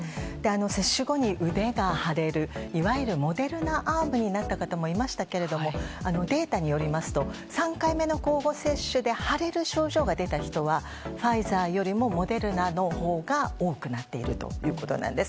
接種後に腕が腫れるいわゆるモデルナ・アームになった方もいましたけれどもデータによりますと３回目の交互接種で腫れる症状が出た人はファイザーよりもモデルナのほうが多くなっているということなんです。